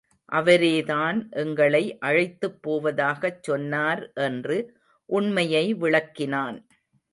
அவரேதான் எங்களை அழைத்துப் போவதாகச் சொன்னார் என்று உண்மையை விளக்கினான்.